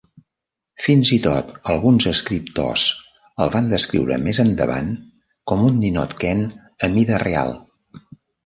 Fins i tot alguns escriptors el van descriure més endavant com un ninot Ken a mida real.